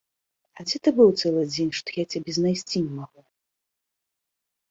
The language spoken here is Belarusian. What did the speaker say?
А дзе ты быў цэлы дзень, што я цябе знайсці не магла?